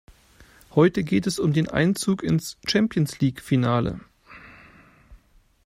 Heute geht es um den Einzug ins Champions-League-Finale.